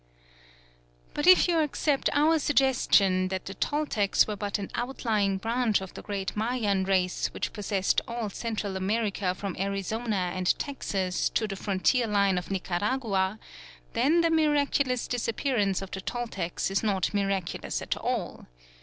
But if you accept our suggestion that the Toltecs were but an outlying branch of the great Mayan race which possessed all Central America from Arizona and Texas to the frontier line of Nicaragua, then the miraculous disappearance of the Toltecs is not miraculous at all.